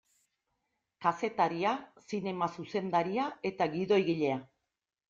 Kazetaria, zinema zuzendaria eta gidoigilea.